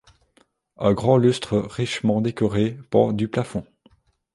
Un grand lustre richement décoré pend du plafond.